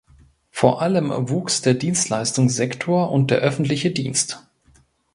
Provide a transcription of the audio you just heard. Vor allem wuchs der Dienstleistungssektor und der Öffentliche Dienst.